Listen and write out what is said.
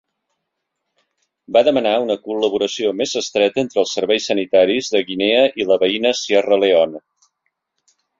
Va demanar una col.laboració més estreta entre els serveis sanitaris de Guinea i la veïna Sierra Leone.